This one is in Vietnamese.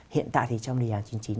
hiện tại thì trong đề án chín mươi chín